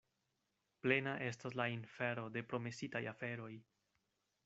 Plena estas la infero de promesitaj aferoj.